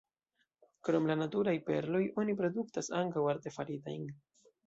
Krom la naturaj perloj oni produktas ankaŭ artefaritajn.